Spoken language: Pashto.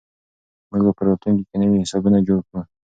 موږ به په راتلونکي کې نوي حسابونه جوړ کړو.